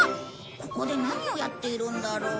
ここで何をやってるんだろう？